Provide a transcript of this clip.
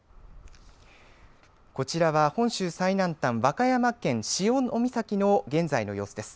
こちらは本州最南端和歌山県潮岬の現在の様子です。